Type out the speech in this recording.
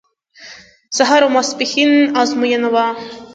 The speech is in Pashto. سهار او ماسپښین ازموینه وه.